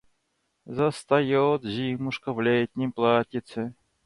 Застает зимушка в летнем платьице.